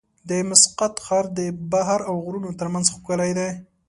د مسقط ښار د بحر او غرونو ترمنځ ښکلی دی.